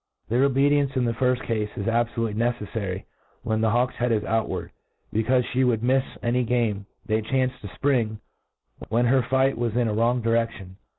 Their obedience in the firfl: cafe is abfolutely neceffary when the hawk's head is outwatd, becaufe fhe Would mifs any game they chanced to fpring when her fight was in a wrong direftion.